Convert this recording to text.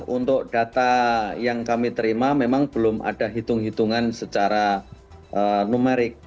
untuk data yang kami terima memang belum ada hitung hitungan secara numerik